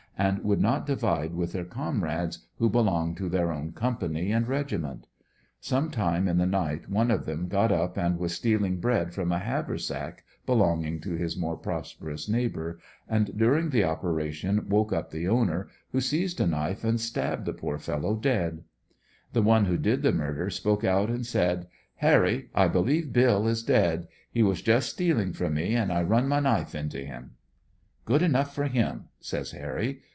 and would not divide with their comrades, who belonged to their own company and regiment. Some time in the night one of them got up and was stealing bread from a haversack belonging to his more prosperous neighbor, and during the opera tion woke up the owner, who seized a knife and stabbed the poor fellow dead The one who did the murder spoke out and said: PIarry, 1 believe Bill is dead; he was just stealing from me and I run my knife into him." ''Good enough for him," says Hirry.